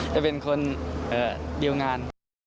จะเป็นคนเรียนดัน